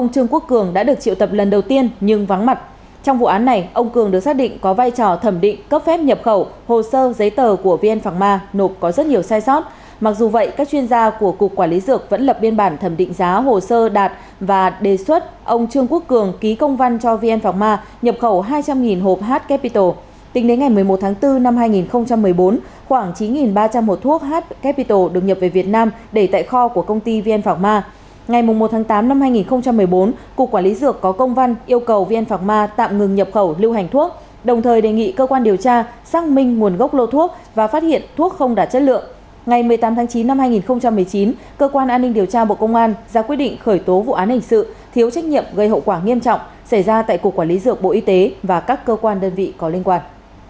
cơ quan an ninh điều tra bộ công an ra quyết định khởi tố vụ án hình sự thiếu trách nhiệm gây hậu quả nghiêm trọng xảy ra tại cục quản lý dược bộ y tế và các cơ quan đơn vị có liên quan